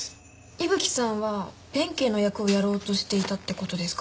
伊吹さんは弁慶の役をやろうとしていたって事ですか？